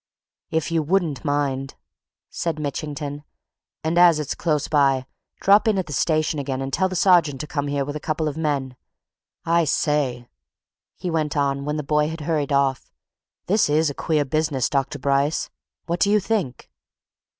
"If you wouldn't mind," said Mitchington, "and as it's close by, drop in at the station again and tell the sergeant to come here with a couple of men. I say!" he went on, when the boy had hurried off, "this is a queer business, Dr. Bryce! What do you think?"